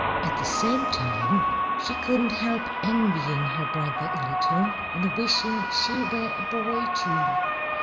At the same time she couldn't help envying her brother a little, and wishing she were a boy, too.